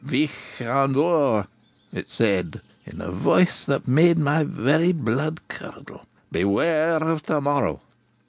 "Vich Ian Vohr," it said, in a voice that made my very blood curdle, "beware of to morrow!"